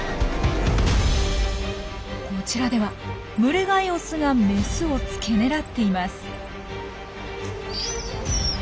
こちらでは群れ外オスがメスを付け狙っています。